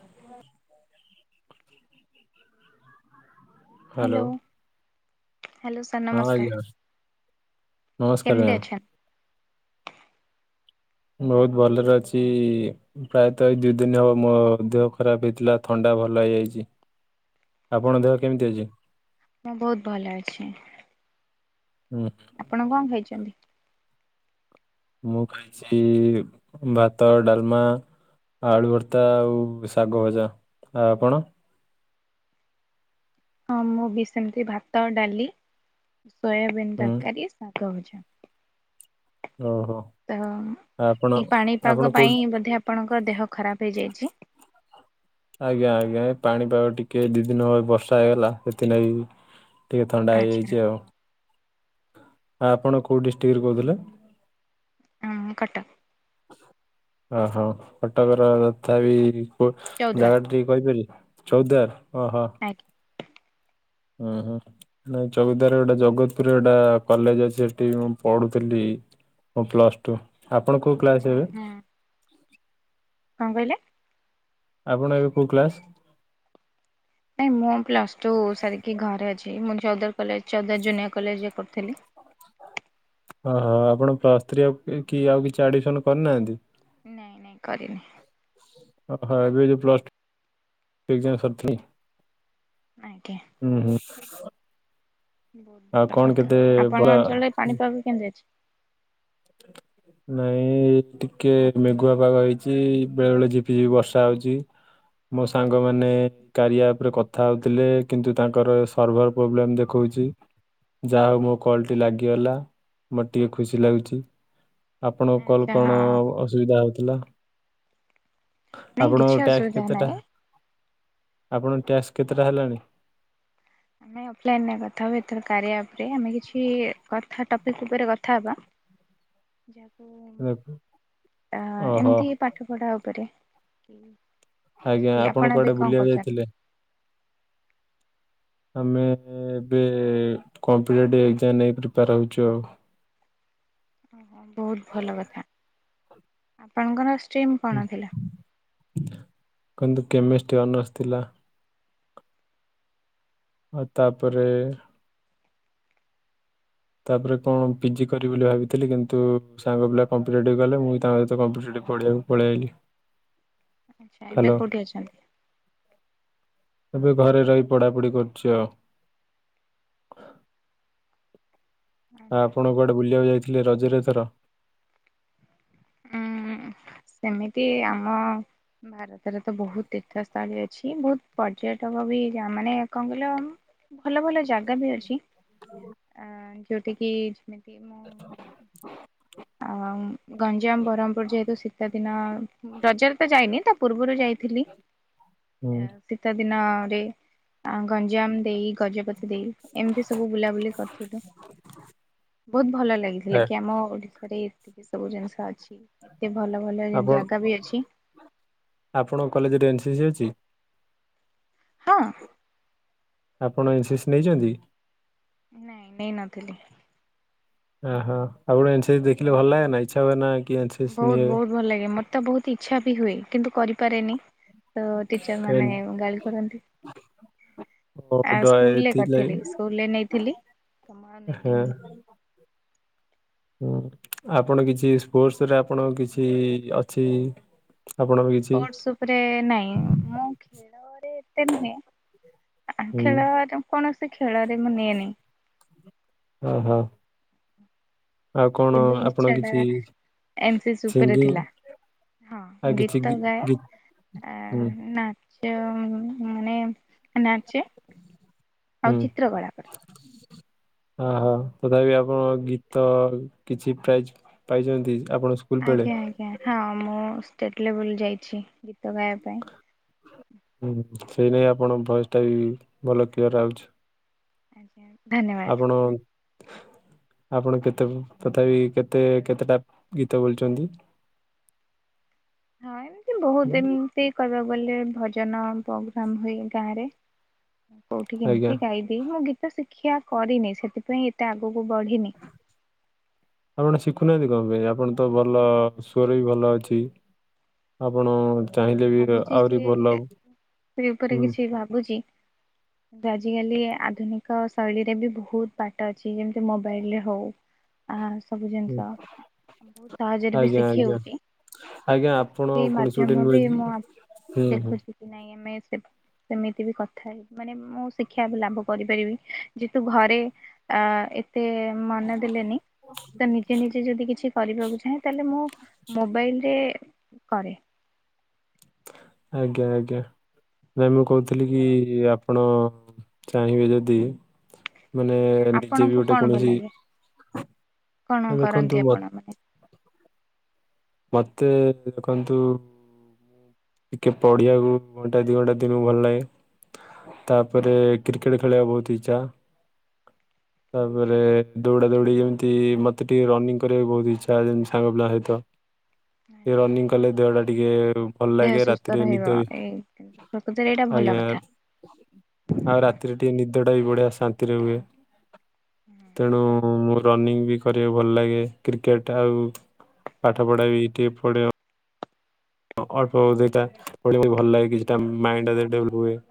ହ hello hello sir ହଁ ଆଜ୍ଞା ନମସ୍କାର। ନମସ୍କାର କେମିତି ମ୍ୟାାମ। ଅଛନ୍ତି? ବହୁତ ଭଲରେ ଅଛି। ପ୍ରାୟତଃ ଏଇ ଦିଇ ଦିନ ହବ ମୋ ଦେହ ଖରାପ ହେଇଥିଲା ଥଣ୍ଡା ଭଲ ହେଇଯାଇଛି। ଆପଣଙ୍କ ଦେହ ଆଛା କେମିତି ଅଛି? ମୁଁ ବହୁତ ଭଲ ଅଛି। ହୁଁ ଆପଣ କଣ ଖାଇଛନ୍ତି? ମୁଁ ଖାଇଛି ଭାତ, ଡାଲମା। ଆଳୁ ଭର୍ତ୍ତା ଆଉ ଶାଗ ଭଜା, ଆଉ ଆପଣ? ହଁ ମୁଁ ବି ସେମିତି ଭାତ, ଡାଲି, ସୋୟାବିନ୍ ହୁଁ ତରକାରୀ। ଶାଗ ଭଜା ଓହୋ ତ। ଆପଣ ଏଇ ଆପଣ ପାଣିପାଗ ପାଇଁ କୋଉଠି ବୋଧେ ଆପଣଙ୍କ ଦେହ ଖରାପ ହେଇଯାଇଛି। [inaudible] ଆଜ୍ଞା ଆଜ୍ଞା ଏ ପାଣିପାଗ ଟିକେ ଦି ଦିନ ବର୍ଷା ହେଇଗଲା ସେଥିନାଗି। ଟିକି ଥଣ୍ଡା ଆଚ୍ଛା ହେଇଯାଇଛି ଆଉ। ଆପଣ କୋଉ ଡିଷ୍ଟ୍ରିକ୍ଟରୁ କହୁଥିଲେ? ମୁଁ କଟକ। ଓହୋ କଟକର ତଥା ବିି ଚୌଦ୍ୱାର ଜାଗା ଟା ଟିକେ କହିପାରିବି? ଚଉଦାର ଓ ହୋ। ଆଜ୍ଞା। ହୁଁ ହୁଁ। ନାଇ ଚଉଦାର ଗୋଟେ ଜଗତପୁରରେ ଗୋଟା କଲେଜ ଅଛି ସେଠି ମୁଁ ପଢୁଥିଲି। ମୁଁ ପ୍ଲସ ଟୁ, ଆପଣ କୋଉ କ୍ଲାସ ହୁଁ ହେବେ? ହୁଁ କଣ କହିଲେ? ଆପଣ ଏବେ କେଉଁ କ୍ଲାସ୍? ନାଇ ମୁଁ ପ୍ଲସ୍ ଟୁ ସାରିକି ଘରେ ଅଛି ମୁଁ ଚୌଦର କଲେଜ ଚୌଦାର ଜୁନିୟର କଲେଜରେ ପଢ଼ୁଥିଲି। ଓହୋ ଆପଣ ପ୍ଲସ୍ ଥ୍ରୀ ଆଉ କି ଆଉ କିଛି ଆଡମିସନ କରିନାହାନ୍ତି? ନାଇଁ ନାଇଁ କରିନି। ଓ ହ ଏବେ ଯେଉ ପ୍ଲସ୍ ଟୁ ଏକ ଜାମ୍ ସରିଥିଲା। ଆଜ୍ଞା। [inaudible] ଆଉ ଭଲ କଣ କଥା କେତେ ଭଲ ଆପଣଙ୍କ ଅଞ୍ଚଳରେ ପାଣିପାଗ କେନ୍ତି ଅଛି? ନାଇଁ ଟିକେ ମେଘୁଆ ପାଗ ହେଇଚି, ବେଳେ ବେଳେ ଝିପିଝିପି ବର୍ଷା ହଉଚି। ମୋ ସାଙ୍ଗମାନେ କାରି--ଆପ୍ ରେ କଥା ହଉଥିଲେ, କିନ୍ତୁ ତାଙ୍କର ସର୍ଭର ପ୍ରୋବ୍ଲେମ୍ ଦେଖଉଚି। ଯାହା ହଉ ମୋ କଲ୍ ଟି ଲାଗିଗଲା, ଟିକିେ ଖୁସି ଲାଗୁଚି। ଆପଣଙ୍କ କଲ୍ ଆଚ୍ଛା କ'ଣ ହଁ ଅସୁବିଧା ହଉଥିଲା? ନାଇଁ କିଛି ଆପଣଙ୍କ ଟ୍ୟାକ୍ସ ଅସୁବିଧା କେତେଟା? ନାହିଁ। ଆପଣଙ୍କ ଟ୍ୟାସ୍‌ କେତେଟା ହେଲାଣି? ଆମେ ଅଫଲାଇନ୍‌ ରେ କଥା ହବା, ଏଥର କାର୍ୟା ଆପ୍ ରେ ଆମେ କିଛି କଥା ଟପିକ୍ ଉପରେ କଥା ବା। ହୁଁ ଓହୋ ଏମ୍ତି ପାଠ ପଢ଼ା ଉପରେ କିଛି ଆଜ୍ଞା, ବି ଆପଣ ଏବେ କୁଆଡ଼େ କଣ ବୁଲିବାକୁ କରୁଛନ୍ତି? ଯାଇଥିଲେ? [inaudible] ହୋ ବହୁତ୍ ଭଲ କଥା, ଆପଣଙ୍କର ଷ୍ଟ୍ରୀମ୍ କ'ଣ ଥିଲା? କେମେଷ୍ଟି ଅନ ଥିଲା। ଆଉ ତା'ପରେ ତା'ପରେ କ'ଣ ପିଜି କରିିବି ବୋଲି ଭାବିଥିଲି କିନ୍ତୁ ସାଙ୍ଗ ପିଲା କମ୍ପିଟେଟିଭ୍ ଗଲେ, ମୁଁ ତାଙ୍କ ସହିତ କମ୍ପିଟେଟିଭ୍ ପଢ଼ିବାକୁ ପଳେଇ ଆଇଲି। ଆଚ୍ଛା, ଏବେ ହ୍ୟାଲୋ କଉଠି ଅଛନ୍ତି? ଏବେ ଘରେ ରହି ପଢ଼ା ପଢ଼ି କରୁଛି ଆଉ। ଆପଣ କୁଆଡ଼େ ବୁଲିବାକୁ ଯାଇଥିଲେ ରଜରେ ଏଥର? ଉଁ ସେମିତି ଆମ ଭାରତରେ ତ ବହୁତ୍ ତୀର୍ଥ ସ୍ଥଳୀ ଅଛି, ବହୁତ୍ ପର୍ଯ୍ୟଟକ ବି ମାନେ କଣ ଭଲ ଭଲ ଜାଗା ବି ଅଛି, ଯଉଠି କିି ଯେମିତି ମୁଁ [inaudible] ଯେ ହେତୁ ଶୀତ ଦିନ, ରଜରେ ତ ଯାଇନି ତା ପୂ---ରୁ ଯାଇଥିଲି। [inaudible] ଶୀତ ଦିନରେ ଗଞ୍ଜାମ୍ ଦେଇ ଗଜପତି ଦେଇ ଏମ୍ତି ସବୁ ବୁଲାବୁଲି କର୍ଥିଲୁ, ବହୁତ୍ ଭଲ ଲାଗିଥିଲା ଏ କି ଆମ ଓଡିଶା ରେ ଏତିକି ସବୁ ଜିନ୍‌ଷ ଅଛି, ଏତେ ଭଲ ଭଲ ଆପଣ ଜାଗା ବି ଅଛି। ଆପଣଙ୍କ କଲେଜ୍‌ରେ ଏନ୍‌ସିସି ଅଛି? ହଁ! ଆପଣ ଏନ୍‌ସିସି ନେଇଚନ୍ତି? ନାଇଁ, ନେଇ ନଥିଲି। [unintelligible] ସି ବହୁତ୍ ନିଏ ବହୁତ୍ ଭଲ୍ ଲାଗେ, ମୋ ବହୁତ୍ ଇଚ୍ଛା ବି ହୁଏ କିନ୍ତୁ କରିପାରେନି। ଟିଚର୍ କାଇଁ ମାନେ ଗାଳି କରନ୍ତି। ଓ ଆ, ଡ ସ୍କୁଲ ରେ ଏଥିଲାଗି କ--ଥିଲି, ସ୍କୁଲ ରେ ନେଇଥିଲି ତ ମୁଁ ଆଉ ହଁ ନେଲିନି। ହୁଁ, ଆପଣ କିଛି ସ୍ପୋ--ସ୍‌ ରେ ଆପଣ କିଛି ଅଛି ଆପଣଙ୍କ କିଛି ସ୍ପୋର୍ଟସ୍‌ ଉପ୍ରେ ନାଇଁ, ମୁଁ ଖେଳରେ ଏତେ ହୁଁ ନୁହେଁ। କୋଣସି, ଖେଳରେ ମୁଁ ନିଏନି। [inaudible] ଆଉ କଣ କିନ୍ତୁ ଆପଣ ଇଚ୍ଛା ଟା କିଛି ଏନ୍‌ସି ଉପରେ ସିଙ୍ଗିଂ ଥିଲା। ହଁ! ଆଉ କିଛି ଗୀ ଗୀତ ଗାଏ। ଗୀ ହୁଁ [inaudible] ହୁଁ ତଥା ଆପଣ ଗୀତ କିଛି ପ୍ରାଇଜ୍‌ ପାଇଚନ୍ତି ଆପଣ? ସ୍କୁଲ ବେଳେ ଆଜ୍ଞା ଆଜ୍ଞା ହଁ, ମୁଁ ଷ୍ଟେଟ୍ ଲେବୁଲ୍ ଯାଇଛି ଗୀତ ଗାଇବା ପାଇଁ। ଆପଣ ଭଏସ୍‌ ଟା ବି ଭଲ କ୍ଳିଅର ଆଉ ଆଜ୍ଞା ଧନ୍ୟବାଦ। ଆପଣ ଆପଣ କେତେ ତଥାପି କେତେ କେତେଟା ଗୀତ ବୋଲିଚନ୍ତି? ହଁ ଏମିତି ବହୁତ ଏମତି କହିବାକୁ ଗଲେ ଭଜନ ପ୍ରୋଗ୍ରାମ ହୁଏ ଗାଁରେ। ମୁଁ କୋଉଠି ଆଜ୍ଞା କେମତି ଗାଇଦିଏ ମୁଁ ଗୀତ ଶିକ୍ଷା କରିନି, ସେଥିପାଇଁ ଏତେ ଆଗକୁ ବଢିନି। ଆପଣ ଶିଖୁନାହାଁନ୍ତି କଣ ପାଇଁ? ଆପଣ ତ ଭଲ, ସ୍ୱର ବି ଭଲ ଅଛି। ଆପଣ ଚାହିଁଲେ ବି ଭାବୁଛି ଆହୁରି ସେ, ଭଲ ସେ ଉପରେ ହୁଁ କିଛି ଭାବୁଚି କିନ୍ତୁ ଆଜିକାଲି ଆଧୁନିକ ଶୈଳୀରେ ବି ବହୁତ ବାଟ ଅଛି। ଯେମତି ମୋବାଇଲରେ ହଉ ଆ ସବୁ ହୁଁ ଜିନିଷ ବହୁତ ସହଜରେ ବି ଆଜ୍ଞା ଶିଖି ଆଜ୍ଞା ହଉଛି, ଆଜ୍ଞା ମତେ ଆପଣ ସେତିକି କୌଣସି ମାଧ୍ୟମ ଗୋଟେ ଧ୍ୟମ ନୁହେଁ ବି କି ହୁଁ ମୁଁ ହୁଁ ଦେଖୁଛି କି ନାଇଁ ଆମେ ସେ ସେମିତି ବି କଥା ହେଇ ମାନେ ମୁଁ ଶିକ୍ଷା ଲାଭ କରିପାରିବି, ଯେହେତୁ ଘରେ ଅ ଏତେ ମନ ଦେଲେନି, ତ ନିଜେ ନିଜେ ଯଦି କିଛି କରିବାକୁ ଚାହେଁ ତାହେଲେ ମୁଁ ମୋବାଇଲରେ କରେ। ଆଜ୍ଞା ଆଜ୍ଞା। ନାଇଁ ମୁଁ କହୁଥିଲି କି, ଆପଣ ଚାହିଁବେ ଯଦି ମାନେ ନିଜେ ବି ଆପଣଙ୍କୁ ଗୋଟେ କଣ ଭଲ କୌଣସି, ଲାଗେ କଣ ଗୋଟେ କରନ୍ତି ଦେଖନ୍ତୁ ଆପଣ ମ ମାନେ? ମୋତେ ଦେଖନ୍ତୁ ଟିକେ ପଢିଆକୁ ଘଣ୍ଟାଏ ଦି ଘଣ୍ଟା ଦିନକୁ ଭଲ ଲାଗେ। ତାପରେ କ୍ରିକେଟ ଖେଳିବାକୁ ବହୁତ ଇଚ୍ଛା। ତାପରେ ଦୌଡ଼ା ଦୌଡ଼ି ଏମତି ମୋତେ ଟିକେ ରନିଙ୍ଗ କରିବାକୁ ବହୁତ ଇଚ୍ଛା, ଯେମିତି ସାଙ୍ଗ ପିଲା ସହିତ। ଏ ଆଚ୍ଛା ରନିଂ ବହୁତ କଲେ ଭଲ। ଦେହଟା ଟିକେ ଭଲ ଦେହ ଲାଗେ, ସୁସ୍ଥ ରାତିରେ ରହିବ ନିଦ ବି ଏଇ ପ୍ରକୃତରେ ଏଇଟା ଭଲ ଆଜ୍ଞା। କଥା। ଆଉ ରାତିରେ ଟିକେ ନିଦଟା ବି ବଢ଼ିଆ ଶାନ୍ତିରେ ହୁଏ। ତେଣୁ ମୁଁ ରନିଂ ବି କରିବାକୁ ଭଲ ଲାଗେ। କ୍ରିକେଟ ଆଉ ପାଠପଢା ବି କିଏ ପଢ଼େଇବ ଅଳ୍ପ ବହୁତ ହେଇକି ଥାଏ, ପଢିବାକୁ ଭଲ ଲାଗେ କିଛିଟା ମାଇଣ୍ଡଟା ଡେଭଲପ ହୁଏ,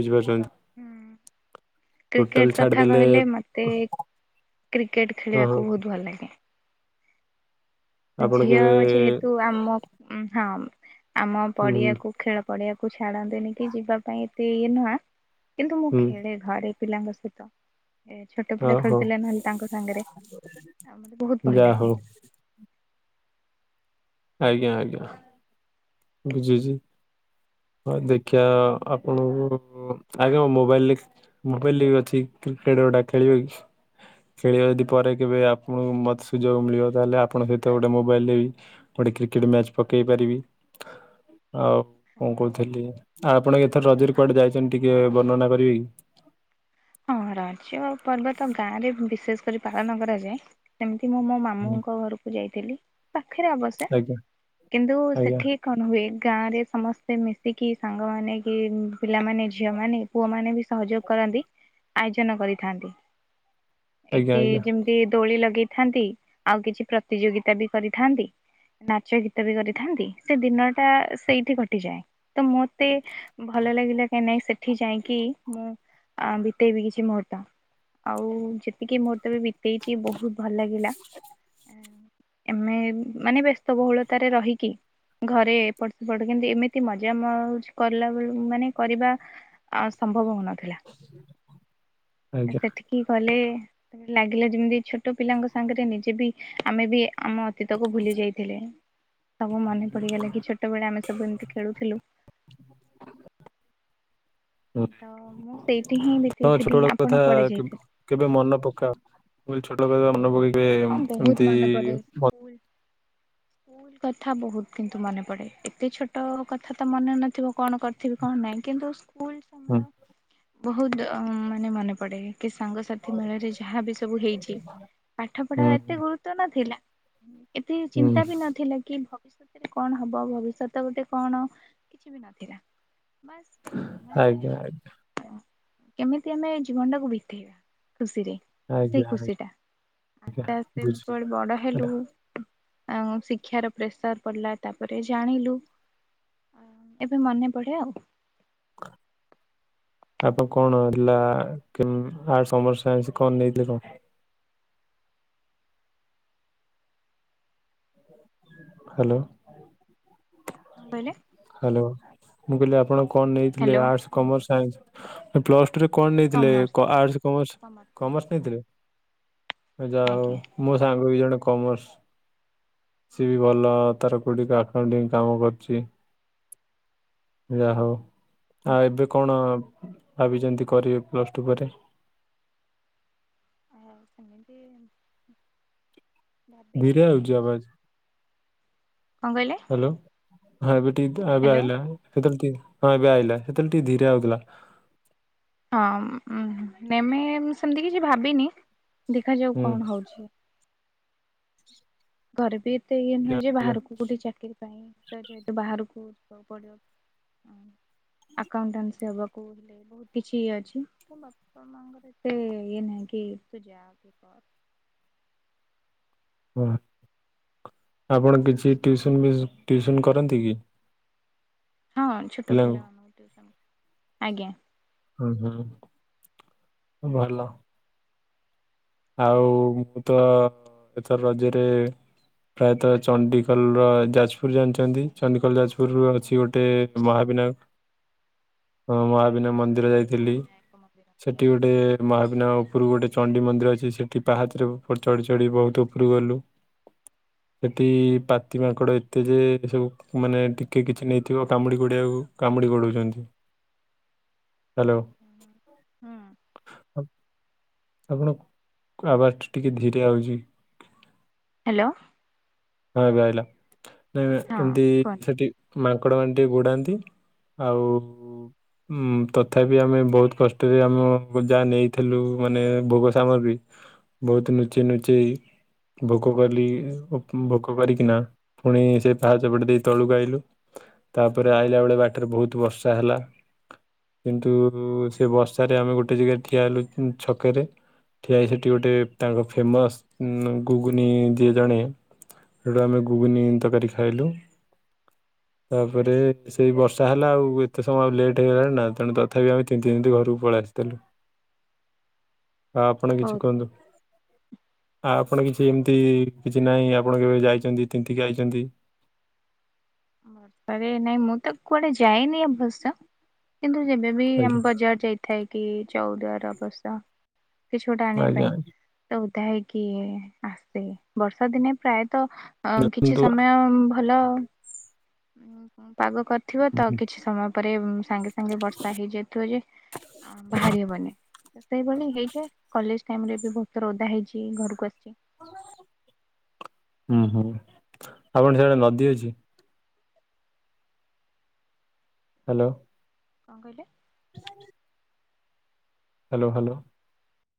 ବୁଝିପାରୁଛନ୍ତି? ହୁଁ। ଟୋଟାଲ କ୍ରିକେଟ କଥା ଛାଡିଦେଲେ କହିଲେ ମତେ କ୍ରିକେଟ ହଁ ହଁ ଖେଳିବାକୁ ବହୁତ ଭଲ ଲାଗେ। ଆପଣ ଝିଅ କେବେ ଯେହେତୁ ଆମ ହଁ, ଆମ ହୁଁ ପଡିଆକୁ ଖେଳ ପଡିଆକୁ ଛାଡନ୍ତିନି କି ଯିବା ପାଇଁ ଏତେ ଇଏ ନୁହଁ, କିନ୍ତୁ ମୁଁ ହୁଁ ଖେଳେ ଘଡେଇ ପିଲାଙ୍କ ସହିତ। ଏ ଛୋଟ ଓ ପିଲା ହଉ ଖେଳୁଥିଲେ ନହେଲେ ତାଙ୍କ ସାଙ୍ଗରେ, ଆଉ ମୋତେ ବହୁତ ଭଲ ଯାହା ଲାଗେ। ହଉ ଆଜ୍ଞା ଆଜ୍ଞା। ମୁଁ କି ଜି ଜି ହଁ ଦେଖିଆ ଆପଣଙ୍କୁ ଆଜ୍ଞା ମ ମୋବାଇଲରେ ମୋବାଇଲ ବି ଅଛି, କ୍ରିକେଟ ଗୋଟା ଖେଳିବ କି? ଖେଳିବ ଯଦି ପରେ କେବେ ଆପଣଙ୍କୁ ମୋତେ ସୁଯୋଗ ମିଳିବ ତାହେଲେ ଆପଣଙ୍କ ସହିତ ଗୋଟେ ମୋବାଇଲରେ ବି ଗୋଟେ କ୍ରିକେଟ ମ୍ୟାଚ ପକେଇ ପାରିବି। ଆଉ ହଉ କଣ ଠିକ ଅଛି। କହୁଥିଲି? ଆଉ ଆପଣ ଏଥର ରଜରେ କୁଆଡେ ଯାଇଛନ୍ତି ଟିକେ ବର୍ଣ୍ଣନା କରିବେ କି? ହଁ ରଜ ପର୍ବ ତ ଗାଁରେ ବିଶେଷ କରି ପାଳନ କରାଯାଏ। ଯେମତି ମୁଁ ମୋ ମା ହୁଁ, ମାମୁଁଙ୍କ ଘରକୁ ଯାଇଥିଲି, ପାଖରେ ଅବଶ୍ୟ। ଆଜ୍ଞା କିନ୍ତୁ ଆଜ୍ଞା ସେଠି କଣ ହୁଏ, ଗାଁରେ ସମସ୍ତେ ମିଶିକି ସାଙ୍ଗମାନେ କି ପିଲାମାନେ, ଝିଅମାନେ, କି ପୁଅମାନେ ବି ସହଯୋଗ କରନ୍ତି। ଆୟୋଜନ କରିଥାନ୍ତି। ଏ ଆଜ୍ଞା କି ଆଜ୍ଞା ଯେମତି କି ଦୋଳି ଲଗେଇଥାନ୍ତି, ଆଉ କିଛି ପ୍ରତିଯୋଗିତା ବି କରିଥାନ୍ତି ନାଚ ଗୀତ ବି କରିଥାନ୍ତି, ସେ ଦିନଟା ସେଇଠି କଟିଯାଏ। ତ ମୁଁ ଏତେ ଭଲ ଲାଗିଲା କା ନାଇଁ ସେଠି ଯାଇଁକି, ମୁଁ ବିତେଇବି କିଛି ମୁହୂର୍ତ୍ତ। ଆଉ ଯେତିକି ମୁହୂର୍ତ୍ତ ବି ବିତେଇଚି ବହୁତ ଭଲ ଲାଗିଲା। ଏମେ ମାନେ ବ୍ୟସ୍ତ ବହୁଳତାରେ ରହିକି ଘରେ ଏପଟ ସେପଟ କିନ୍ତୁ ଏମିତି ମଜା ମଉଜ କଲା ବେଳକୁ ମାନେ କରିବା ଆଉ ସମ୍ଭବ ହଉନଥିଲା। [inaudible] ଆଜ୍ଞା ସେଠିକି ଗଲେ ଲାଗିଲା ଯେମିତି ଛୋଟ ପିଲାଙ୍କ ସାଙ୍ଗରେ ନିଜେ ବି ଆମେ ବି ଆମ ଅତୀତକୁ ଭୁଲି ଯାଇଥିଲେ ସବୁ ମନେ ପଡ଼ିଗଲା କି ଛୋଟବେଳେ ଆମେ ସବୁ ଏମିତି ଖେଳୁଥିଲୁ। [inaudible] ତ ମୁଁ ସେଇଠି ହିଁ ତ ଛୋଟ ବିତେଇଥିଲି ବଳ ଆପଣ କଥା କୁଆଡେ ଯାଇଥିଲେ? କେବେ ମନେ ପକାଅ କ ଛୋଟ ମନେ ପକେଇକ ହଁ ବହୁତ ଏମତି ମନେ ପଡେ ସ୍କୁଲ ସ୍କୁଲ କଥା ବହୁତ କିନ୍ତୁ ମନେ ପଡେ ଏତେ ଛୋଟ କଥା ତ ମନେ ନଥିବ କଣ - ଥିବ କଣ ନାହିଁ କିନ୍ତୁ ସ୍କୁଲ ହୁଁ ସମୟ ବହୁତ ମାନେ ମନେ ପଡେ କି ସାଙ୍ଗସାଥି ମେଳରେ ଯାହା ବି ସବୁ ହେଇଛି ପାଠ ପଢା ହୁଁ ଏତେ ଗୁରୁତ୍ୱ ନଥିଲା ଏତେ ହୁଁ ଚିନ୍ତା ବି ନଥିଲା କି ଭବିଷ୍ୟତ ସେରେ କଣ ହବ ଭବିଷ୍ୟତ ଗୋଟେ କଣ କିଛି ବି ନଥିଲା ବସ୍ ଆଜ୍ଞା ଆଜ୍ଞା ମାନେ କେମିତି ଆମେ ଜୀବନଟାକୁ ବିତେଇବା ଖୁସିରେ ଆଜ୍ଞା ସେଇ ଖୁସିଟା ଆଜ୍ଞା ଆଟା ଆ ବୁଝି ସେପ ବଡ ହେଲୁ ହେଲା। ଆଉ ଶିକ୍ଷାର ପ୍ରେସର ପଡ଼ିଲା ତାପରେ ଜାଣିଲୁ ଏବେ ମନେ ପଡେ ଆଉ ଆପଣ କଣ ହେଥିଲା ଆଠ ସମର୍ଷ ଆ କଣ ନେଇଥିଲେ କଣ ହ୍ୟାଲୋ ହଁ କହିଲେ ହ୍ୟାଲୋ ମୁଁ କହିଲି ଆପଣ କଣ ନେଇଥିଲେ hello arts commerce science plus ଟୁରେ କଣ ନେଇଥିଲେ କମର୍ସ ଆର୍ଟସ କମର୍ସ କମର୍ସ ନେଇଥିଲେ ଯାହା ହଉ ଆଜ୍ଞା। ମୋ ସାଙ୍ଗ ବି ଜଣେ କମର୍ସ ସିଏ ବି ଭଲ ତାର କୋଁଠିକ ଆକାଉଣ୍ଟି କାମ କରୁଛି ଯାହା ହଉ ଆଉ ଏବେ କଣ ଭାବିଛନ୍ତି କରିବେ ପ୍ଲସ୍ ଟୁ ପରେ ଆଉ ସେଙ୍ଗତି [inaudible] ଧୀରେ ଆଉଛି ଆବାଜ କଣ କହିଲେ ହ୍ୟାଲୋ ହଁ ଏବେିକବେ ଆଳେ ହ୍ୟାଲୋ ଏବେ ଆଇ ସେତେବେଳେ ଟିକେ ଧୀରେ ହଉଥିଲା ହଁ ଏମେ ସେମିତି କିଛି ଭାବିନି ଦେଖାଯାଉ ହୁଁ କଣ ହଉଛି ଘରେ ବି ଏତେ ଇଏ ନୁହେଁ ଯେ ବାହାରକୁ କେଉଠି ଚାକିରି ପାଇଁ ଯେହେତୁ ବାହାରକୁ ଯିବାକୁ ପଡିବ ଟ ହକୁ ହେଲେ ବହୁତ କିଛି ଅଛି [inaudible] ତଙ୍ଗରେ ଏନଗି ତୁ ଜହାାଗ [inaudible] ହଁ ଆପଣ କିଛି ଟିଉସନ୍ ବି ଟିଉସନ୍ କରନ୍ତି କି ହଁ ଛୋଟ ପିଲାଙ୍କୁ ପିଲାମାନଙ୍କୁ ଟିଉସନ୍ ଆଜ୍ଞା ହୁଁ ହୁଁ ଭଲ ଆଉ ଆଜ୍ଞା ମୁଁ ତ ଏଥର ରଜ୍ୟରେ ପ୍ରାୟତଃ ଚଣ୍ଡିକୋଲର ଯାଜପୁର ଜାଣିଛନ୍ତି ଚଣ୍ଡଖୋଲ ଯାଜପୁର ଅଛି ଆଜ୍ଞା ଗୋଟେ ଆଜ୍ଞା ମହାବିନା ମହାବିନା ମନ୍ଦିର ନ୍ଦିର ହଁ ଯାଇଥିଲି ବିନାୟକ ମନ୍ଦିର ଆଜ୍ଞା। ସେଠି ଗୋଟେ ମହାବିନା ଉପରକୁ ଗୋଟେ ଚଣ୍ଡି ମନ୍ଦିର ଅ ସେଠି ପାହାଚରେ ଚଢି ଚଢି ବହୁତ ଉପରୁ ଗଲୁ ସେଠି ପାତି ମାଙ୍କଡ଼ ଏତେ ଯେ ସବୁ ମାନେ ଟିକ କିଛି ନେଇଥିବ କାମୁଡ଼ି ପଡ଼ିବାକୁ କାମୁଡ଼ି ଗଡ଼ଉଛନ୍ତି ହ୍ୟାଲୋ ହୁଁ ଆପଣ ଆବାଜଟ ଟିକିଏ ଧୀରେ ଆଉଛି ହ୍ୟାଲୋ ହଁବେହିଲ ନାଇଁ ହଁ ଏମତି କୁହନ୍ତୁ। ସେଠି ମାଙ୍କଡ଼ ମା ଟିକେ ଗୋଡ଼ାନ୍ତି ଆଉ ଉଁ ତଥାପି ଆମେ ବହୁତ କଷ୍ଟରେ ଆମ ଯାହା ନେଇଥିଲୁ, ମାନେ ଭୋଗ ସାମଗ୍ରୀ ବହୁତ ନୁଚେଇ ନୁଚେଇ ଭୋଗ କଲି ଭୋଗ କରିକିନା, ଫୁଣି ସେ ପାହାଚ ପଟ ଦେଇ ତଳୁକୁ ଆଇଲୁ। ତାପରେ ଆଇଲା ବେଳେ ବାଟରେ ବହୁତ ବର୍ଷା ହେଲା। କିନ୍ତୁ ସେ ବର୍ଷାରେ ଆମେ ଗୋଟେ ଜାଗାରେ ଠିଆ ହେଲୁ ଛକରେ। ଠିଆହେଇ ସେଠି ଗୋଟେ ତାଙ୍କ ଫେମସ୍ ଗୁଗୁନି ଦିଏ ଜଣେ ସୋଉଟୁ ଆମେ ଗୁଗୁନି ତରକାରୀ ଖାଇଲୁ। ତାପରେ ସେଇ ବର୍ଷା ହେଲା ଆଉ ଏତେ ସମୟ ଆଉ ଲେଟ୍ଇଗଲାଣି ନା, ତେଣୁ ତଥାପି ଆମେ ତିନ୍ତି ତିନ୍ତି ଘରକୁ ପଳେଇ ଆସିଥେଲୁ। [unintelligible] ଆଉ ଆପଣ କିଛି ବହୁତ କୁହନ୍ତୁ? ଭଲ। ଆ ଆପଣ କିଛି ଏମିତି କିଛି ନାହିଁ ଆ ପଣ କେବେ ଯାଇଛନ୍ତି ତିନ୍ତିକି ଆଇଛନ୍ତି? ଆରେ ନାଇଁ ମୁଁ ତ କୁଆଡେ ଯାଏନି ଅବଶ୍ୟ। କିନ୍ତୁ ଯେବେ ବି ଆମ ଆଜ୍ଞା ବଜାର ଯାଇଥାଏ କି, ଚଉଦୁଆର ଅବଶ୍ୟ କିଛି ଗୋଟେ ଆଣିଆ ଆଜ୍ଞା ପାଇଁ ତ ଓଦା ହେଇକି ଆସେ, ବର୍ଷା ଦିନେ ପ୍ରାୟତଃ କିଛି ଦେଖନ୍ତୁ ସମୟ ହ୍ୟାଲୋ। ପାଗ କରିଥିବ ତ କିଛି ସମୟ ପରେ, ସାଙ୍ଗେ ସାଙ୍ଗେ ବର୍ଷା ହେଇଯାଇଥିବ ଯେ ଭାରି ହବନି, ସେତେବେଳେ ହେଇଯାଏ କଲେଜ ଟାଇମରେ ବି ବହୁତ ଥର ଓଦା ହେଇଛି, ଘରକୁ ଆସିଛି। ହୁଁ- ହୁଁ ଆପଣ ସିଆଡେ ନଦୀ ଅଛି? ହ୍ୟାଲୋ। କଣ କହିଲେ? କେଜାଣି ହ୍ୟାଲୋ ହ୍ୟାଲୋ।